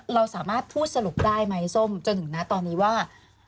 เราสามารถพูดสรุปได้ไหมส้มจนถึงนะตอนนี้ว่า